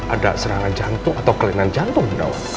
ada serangan jantung atau kelingan jantung